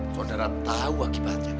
saudara tahu akibatnya